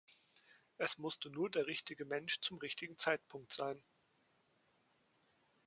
Es muss nur der richtige Mensch zum richtigen Zeitpunkt sein.